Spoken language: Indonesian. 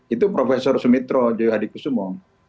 itu profesor sumitro juyuhadikusumo